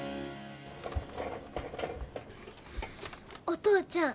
お父ちゃん。